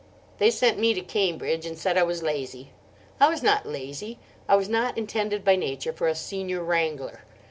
They sent me to Cambridge, and said I was lazy. I was not lazy. I was not intended by nature for a Senior Wrangler.